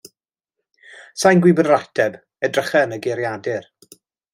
'Sa i'n gwbod yr ateb, edrycha yn y geiriadur.